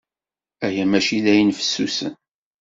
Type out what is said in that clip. Aya maci d ayen fessusen.